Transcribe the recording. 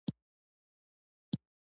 افغانستان د پکتیا لپاره مشهور دی.